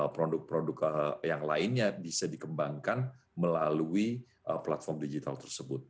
produk produk yang lainnya bisa dikembangkan melalui platform digital tersebut